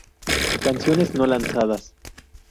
Canciones no lanzadas